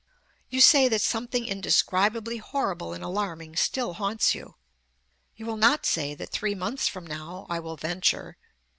You say that something indescribably horrible and alarming still haunts you. You will not say that three months from now, I will venture."